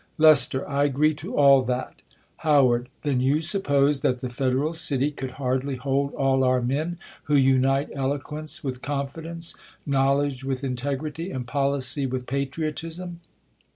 Lest, I agree to all that. How, Then you suppose that the federal city could hardly hold all our men who unite eloquence with confidence, knowledge with integrity, and policy with patriotism.